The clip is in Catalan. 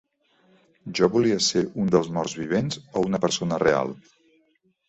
Jo volia ser un dels morts vivents, o una persona real?